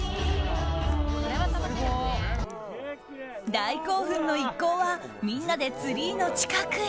大興奮の一行はみんなでツリーの近くへ。